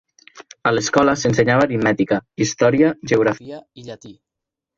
A l'escola s'ensenyava aritmètica, història, geografia i llatí.